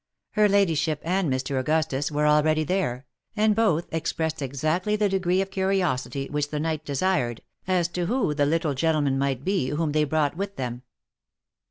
Her ladyship and Mr. Augustus were already there, and both expressed exactly the degree of curiosity which the knight desired, as to who the little gentleman might be whom they brought with them.